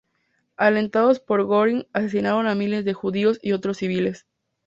Alentados por Göring, asesinaron a miles de judíos y otros civiles.